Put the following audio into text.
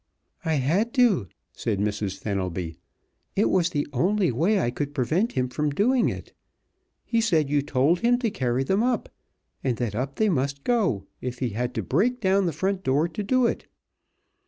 "I had to," said Mrs. Fenelby. "It was the only way I could prevent him from doing it. He said you told him to carry them up, and that up they must go, if he had to break down the front door to do it.